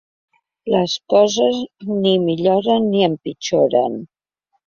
Les coses ni milloren ni empitjoren.